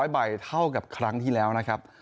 ๐ใบเท่ากับครั้งที่แล้วนะครับ